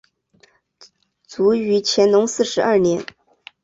卒于乾隆四十二年。